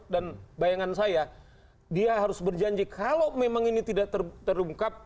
bayangan saya dia harus berjanji kalau memang ini tidak terungkap